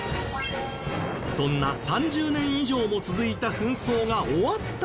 そんな３０年以上も続いた紛争が終わった理由の一つが。